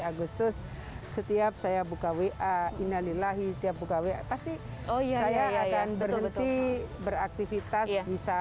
agustus setiap saya buka wa innalillahi tiap buka wa pasti oh iya saya akan berhenti beraktivitas bisa